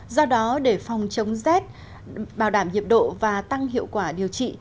do đó để phòng chống rét bảo đảm nhiệt độ và tăng hiệu quả điều trị